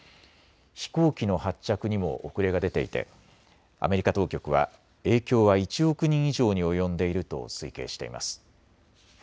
飛行機の発着にも遅れが出ていてアメリカ当局は影響は１億人以上に及んでいると推計しています。